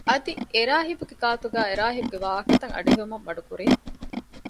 އަދި އެރާހިބުގެ ގާތުގައި އެރާހިބުގެ ވާހަކަތައް އަޑުއެހުމަށް މަޑުކުރޭ